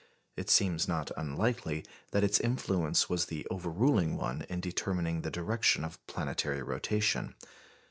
It seems not unlikely that its influence was the overruling one in determining the direction of planetary rotation.